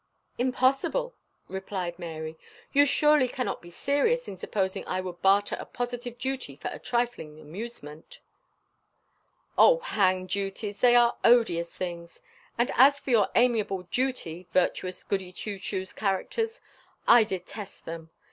"Impossible!" replied Mary. "You surely cannot be serious in supposing I would barter a positive duty for a trifling amusement?" "Oh, hang duties! they are odious things. And as for your amiable, dutiful, virtuous Goody Two Shoes characters, I detest them.